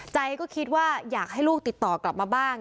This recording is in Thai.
ใจก็คิดว่าอยากให้ลูกติดต่อกลับมาบ้าง